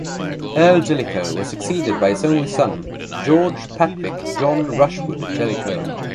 Earl Jellicoe was succeeded by his only son, George Patrick John Rushworth Jellicoe.